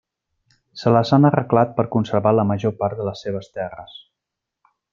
Se les han arreglat per conservar la major part de les seves terres.